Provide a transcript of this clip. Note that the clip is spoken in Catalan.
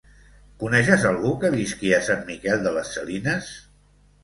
Coneixes algú que visqui a Sant Miquel de les Salines?